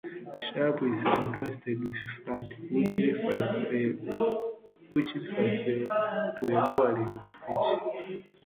Sharp is contrasted with flat, which refers to a lowering of pitch.